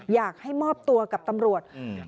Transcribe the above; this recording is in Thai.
อยากให้มอบตัวกับตำรวจ